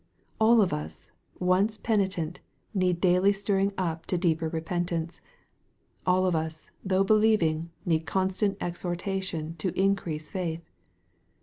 All of us, once penitent, need daily stirring up to deeper repentance. All of us, though believing, need constant exhortation to increased faith.